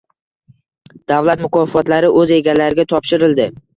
Davlat mukofotlari o‘z egalariga topshirildi